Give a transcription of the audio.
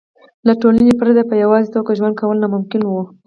له ټولنې پرته په یوازې توګه ژوند کول ناممکن وو.